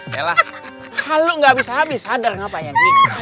yalah kalau gak bisa habis sadar ngapain